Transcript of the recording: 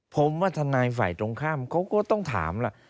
ผมว่าทนายฝ่ายตรงข้ามเขาก็ต้องถามล่ะ